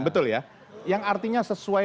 betul ya yang artinya sesuai